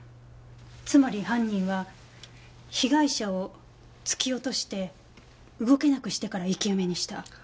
つまり犯人は被害者を突き落として動けなくしてから生き埋めにした。